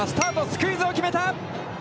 スクイズを決めた！